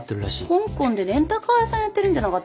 香港でレンタカー屋さんやってるんじゃなかったかな？